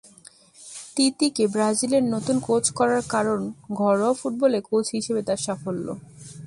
তিতেকে ব্রাজিলের নতুন কোচ করার কারণ ঘরোয়া ফুটবলে কোচ হিসেবে তাঁর সাফল্য।